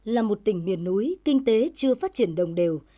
là một tỉnh miền núi kinh tế chưa phát triển đồng đều